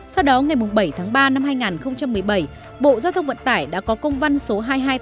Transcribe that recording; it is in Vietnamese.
sau đó ngày bảy tháng ba năm hai nghìn một mươi bảy bộ giao thông vận tải đã có công văn số hai nghìn hai trăm tám mươi ba